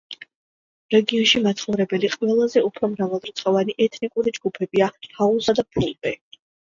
რეგიონში მაცხოვრებელი ყველაზე უფრო მრავალრიცხოვანი ეთნიკური ჯგუფებია ჰაუსა და ფულბე.